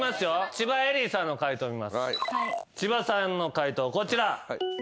千葉さんの解答こちら。